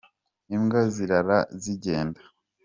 imbwa zirara zijyenda